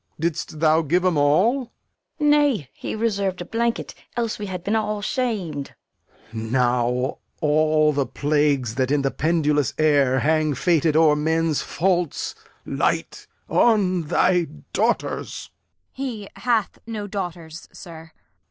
Didst thou give 'em all? Fool. Nay, he reserv'd a blanket, else we had been all sham'd. Lear. Now all the plagues that in the pendulous air Hang fated o'er men's faults light on thy daughters! Kent. He hath no daughters, sir. Lear.